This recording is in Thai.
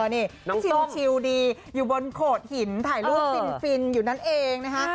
นี่น้องชิลดีอยู่บนโขดหินถ่ายรูปฟินอยู่นั่นเองนะคะ